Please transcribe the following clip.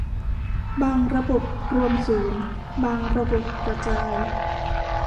บางระบบรวมศูนย์ บางระบบกระจาย